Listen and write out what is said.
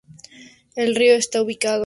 El río está ubicado entre Georgia y Alabama.